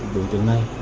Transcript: đối tượng này